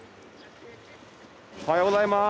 おはようございます。